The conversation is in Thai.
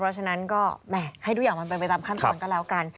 เพราะฉะนั้นก็แหมให้ทุกอย่างมันเป็นไปตามขั้นตอนก็แล้วกัน